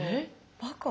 バカ？